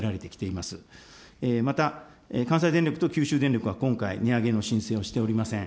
また関西電力と九州電力は今回、値上げの申請をしておりません。